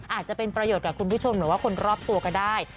อาจจะเป็นประโยชน์กับคุณผู้ชมหรือว่าคนรอบตัวก็ได้